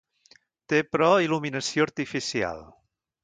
Té, però, il·luminació artificial.